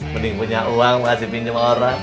mending punya uang masih pinjem orang